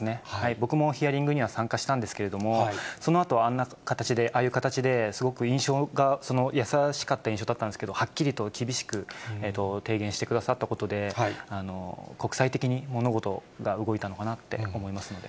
僕もヒアリングには参加したんですけれども、そのあと、あんな形でああいう形ですごく印象が、その優しかった印象だったんですけれども、はっきりと厳しく提言してくださったことで、国際的に物事が動いたのかなって思いますので。